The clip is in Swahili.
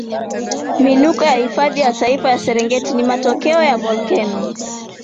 miinuko ya hifadhi ya taifa ya serengeti ni matokeo ya volkeno